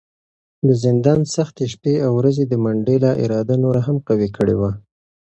د زندان سختې شپې او ورځې د منډېلا اراده نوره هم قوي کړې وه.